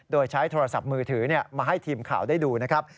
โดยใช้โทรศัพท์มือถือมาให้ทีมข่าวได้ดูนะครับ